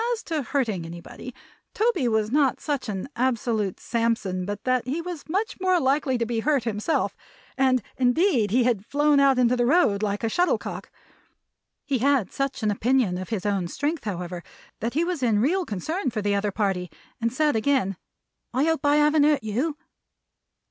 As to hurting anybody, Toby was not such an absolute Samson, but that he was much more likely to be hurt himself; and indeed he had flown out into the road like a shuttle cock. He had such an opinion of his own strength, however, that he was in real concern for the other party, and said again, "I hope I haven't hurt you?"